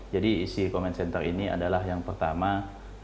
jadi isi comment center ini adalah yang pertama adalah